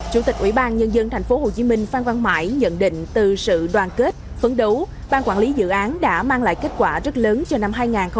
chủ tịch ủy ban nhân dân thành phố hồ chí minh phan văn mãi nhận định từ sự đoàn kết phấn đấu bang quản lý dự án đã mang lại kết quả rất lớn cho năm hai nghìn hai mươi ba